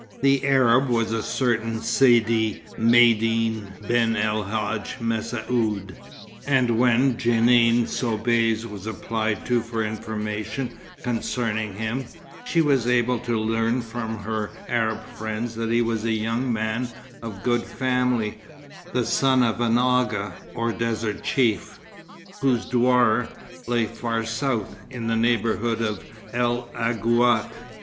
The Arab was a certain Sidi Maïeddine ben el Hadj Messaoud; and when Jeanne Soubise was applied to for information concerning him, she was able to learn from her Arab friends that he was a young man of good family, the son of an Agha or desert chief, whose douar lay far south, in the neighbourhood of El Aghouat.